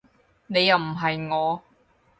你又唔係我